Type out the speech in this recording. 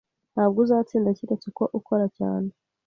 Ntabwo uzatsinda keretse uko ukora cyane.